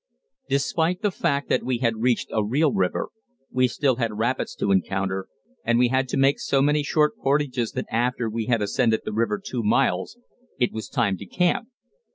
Despite the fact that we had reached a real river, we still had rapids to encounter, and we had to make so many short portages that after we had ascended the river two miles it was time to camp.